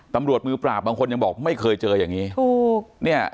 ตำรวจมือปราบบางคนยังบอกไม่เคยเจออย่างนี้ถูกเนี่ย